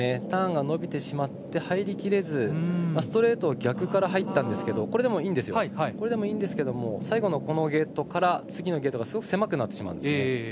ターンが伸びてしまって入りきれずストレートを逆から入ったんですけどこれでもいいんですが最後のゲートから次のゲートがすごく狭くなってしまうんです。